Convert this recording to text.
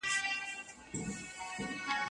څوک مي ویښ نه سو له چېغو، چا مي وا نه ورېدې ساندي